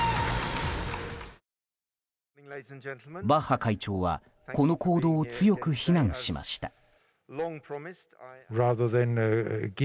バッハ会長はこの行動を強く非難しました。